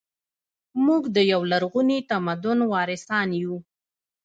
موږ د یو لرغوني تمدن وارثان یو